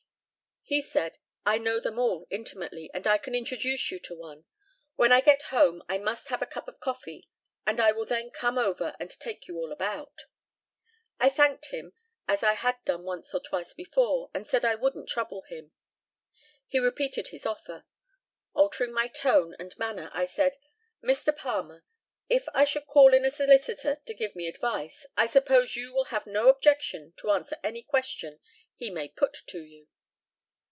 He said, "I know them all intimately, and I can introduce you to one. When I get home I must have a cup of coffee, and I will then come over, and take you all about." I thanked him, as I had done once or twice before, and said I wouldn't trouble him. He repeated his offer. Altering my tone and manner, I said, "Mr. Palmer, if I should call in a solicitor to give me advice, I suppose you will have no objection to answer any question he may put to you."